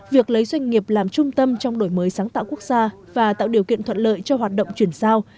việc lấy doanh nghiệp làm trung tâm trong đổi mới sáng tạo quốc gia và tạo điều kiện thuận lợi cho hoạt động chuyển giao